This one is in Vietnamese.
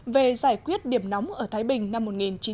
về giải quyết điểm nóng ở thái bình năm một nghìn chín trăm chín mươi tám